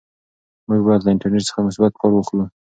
موږ باید له انټرنیټ څخه مثبت کار واخلو.